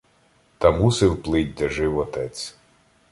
Та мусив плить, де жив отець.